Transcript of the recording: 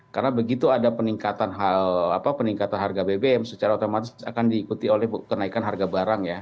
karena begitu ada peningkatan harga bpm secara otomatis akan diikuti oleh kenaikan harga barang ya